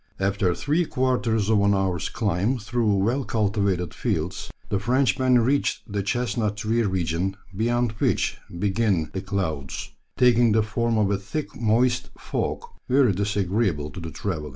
After three quarters of an hour's climb through well cultivated fields, the Frenchmen reached the chestnut tree region, beyond which begin the clouds, taking the form of a thick moist fog, very disagreeable to the traveller.